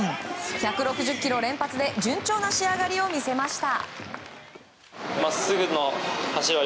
１６０キロ連発で順調な仕上がりを見せました。